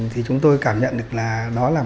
thì chúng tôi cảm nhận được là đó là